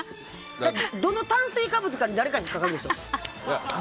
どの炭水化物が誰かに引っかかるでしょ。